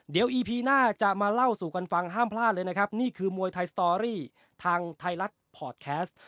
เดี๋ยวอีพีหน้าจะมาเล่าสู่กันฟังห้ามพลาดเลยนะครับนี่คือมวยไทยสตอรี่ทางไทยรัฐพอร์ตแคสต์